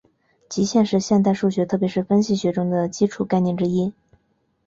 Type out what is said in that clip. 极限是现代数学特别是分析学中的基础概念之一。